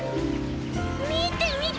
みてみて！